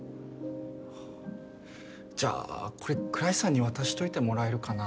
じゃあこれ倉石さんに渡しておいてもらえるかな？